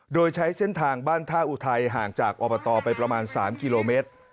โดยใช้เส้นทางบ้านท่าอุทัยห่างจากอบตไปประมาณ๓กิโลเมตร